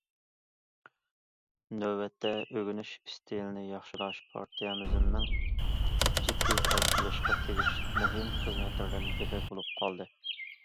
نۆۋەتتە، ئۆگىنىش ئىستىلىنى ياخشىلاش پارتىيەمىزنىڭ جىددىي ھەل قىلىشقا تېگىشلىك مۇھىم خىزمەتلىرىدىن بىرى بولۇپ قالدى.